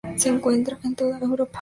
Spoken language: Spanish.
Se encuentra en toda Europa.